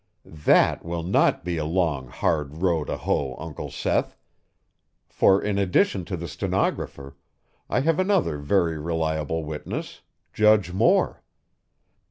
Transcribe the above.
That will not be a long, hard row to hoe, Uncle Seth, for in addition to the stenographer, I have another very reliable witness, Judge Moore.